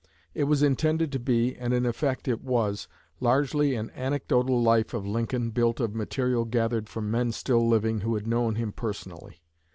It was intended to be, and in effect it was, largely an anecdotal Life of Lincoln built of material gathered from men still living who had known him personally.